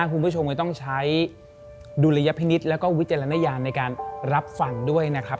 คุณผู้ชมก็ต้องใช้ดุลยพินิษฐ์แล้วก็วิจารณญาณในการรับฟังด้วยนะครับ